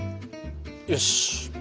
よし。